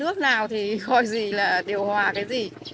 nước nào thì coi gì là điều hòa cái gì